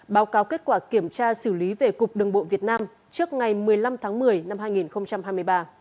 báo cáo kết quả kiểm tra xử lý về cục đường bộ việt nam trước ngày một mươi năm tháng một mươi năm hai nghìn hai mươi ba